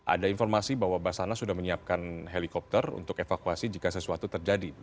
ada informasi bahwa basana sudah menyiapkan helikopter untuk evakuasi jika sesuatu terjadi